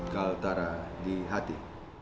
kaltara di hati